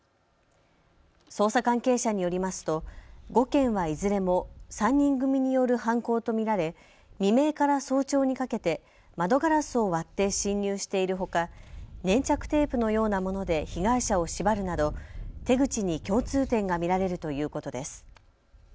捜査関係者によりますと５件はいずれも３人組による犯行と見られ、未明から早朝にかけて窓ガラスを割って侵入しているほか粘着テープのようなもので被害者を縛るなど手口に共通点が見られるということです。